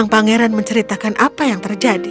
pangeran menceritakan apa yang terjadi